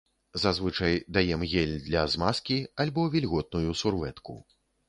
Зазвычай даем гель для змазкі альбо вільготную сурвэтку.